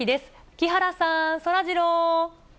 木原さん、そらジロー。